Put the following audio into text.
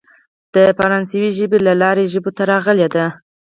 د فرانسوۍ ژبې له لارې ژبو ته راغلې ده.